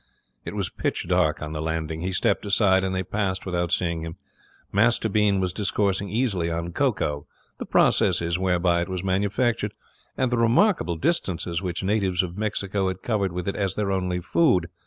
It was pitch dark on the landing. He stepped aside, and they passed without seeing him. Master Bean was discoursing easily on cocoa, the processes whereby it was manufactured, and the remarkable distances which natives of Mexico had covered with it as their only food.